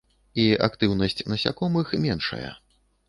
І актыўнасць насякомых меншая.